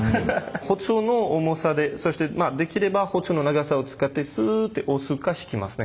包丁の重さでそしてできれば包丁の長さを使ってスッて押すか引きますね。